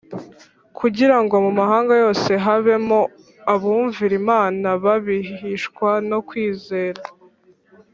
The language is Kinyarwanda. kugira ngo mu mahanga yose habemo abumvira Imana babiheshwa no kwizera,